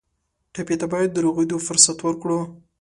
ټپي ته باید د روغېدو فرصت ورکړو.